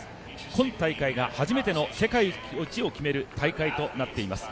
今大会が初めての世界一を決める大会となっています。